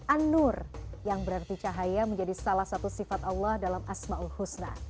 an nur yang berarti cahaya menjadi salah satu sifat allah dalam asma'ul husna